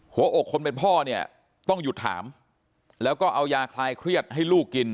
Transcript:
หัวอกคนเป็นพ่อเนี่ยต้องหยุดถามแล้วก็เอายาคลายเครียดให้ลูกกิน